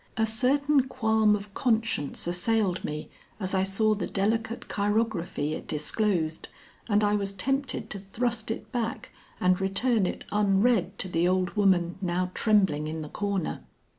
A certain qualm of conscience assailed me as I saw the delicate chirography it disclosed and I was tempted to thrust it back and return it unread to the old woman now trembling in the corner.